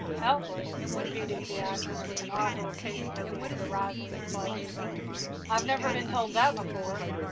"Helpless?" repeated Beatrice, with an odd little cadence at the end of the rising inflection; "I've never been told that before.